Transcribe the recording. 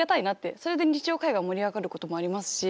それで日常会話が盛り上がることもありますし。